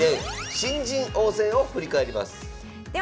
新人王戦を振り返ります。